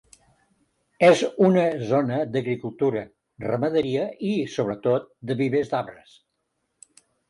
És una zona d'agricultura, ramaderia i sobretot de vivers d'arbres.